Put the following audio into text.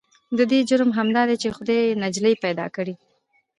د دې جرم همدا دی چې خدای يې نجلې پيدا کړې.